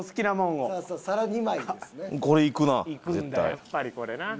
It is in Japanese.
やっぱりこれな。